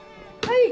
はい！